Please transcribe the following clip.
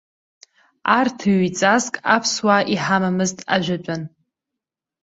Арҭ ҩ-ҵаск аԥсуаа иҳамамызт ажәытәан.